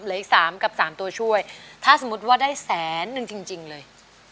เหลืออีก๓กับ๓ตัวช่วยถ้าสมมุติว่าได้แสนนึงจริงเลย